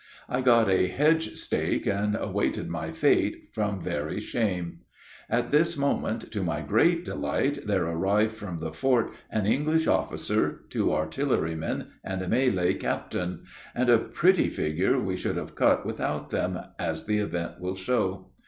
I got a hedge stake, and awaited my fate, from very shame. At this moment, to my great delight, there arrived from the fort an English officer, two artillery men, and a Malay captain; and a pretty figure we should have cut without them, as the event will show.